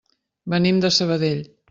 Venim de Sabadell.